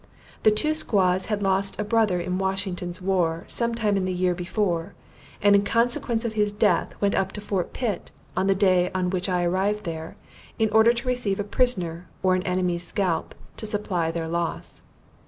The two squaws had lost a brother in Washington's war, sometime in the year before and in consequence of his death went up to Fort Pitt, on the day on which I arrived there, in order to receive a prisoner or an enemy's scalp, to supply their loss.